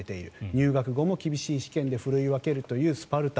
入学後も厳しい試験でふるい分けるというスパルタ。